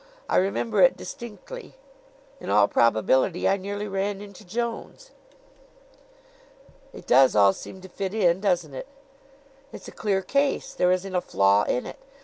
I remember it distinctly. In all probability I nearly ran into Jones." "It does all seem to fit in, doesn't it?" "It's a clear case. There isn't a flaw in it.